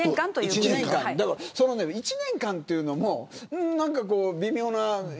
１年間というのも何か微妙な。